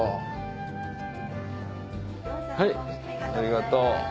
はいありがとう。